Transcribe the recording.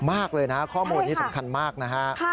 มากเลยนะข้อมูลนี้สำคัญมากนะฮะ